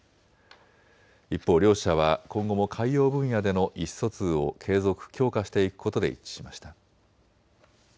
一方、両者は今後も海洋分野での意思疎通を継続・強化していくことで一致しました。